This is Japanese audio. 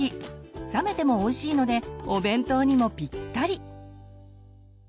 冷めてもおいしいのでお弁当にもピッタリ！